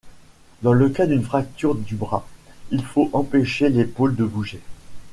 Dans le cas d'une fracture du bras, il faut empêcher l'épaule de bouger.